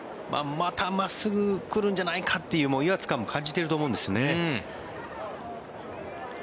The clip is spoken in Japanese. また真っすぐ来るんじゃないかという威圧感も感じてると思うんですね。